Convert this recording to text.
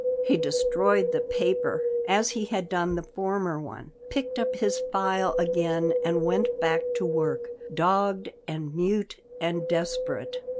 He destroyed the paper as he had done the former one, picked up his file again, and went back to work, dogged and mute and desperate.